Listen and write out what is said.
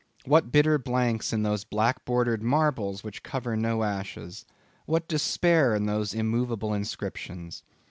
What bitter blanks in those black bordered marbles which cover no ashes! What despair in those immovable inscriptions!